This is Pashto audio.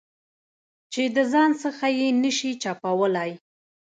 چې د ځان څخه یې نه شې چپولای.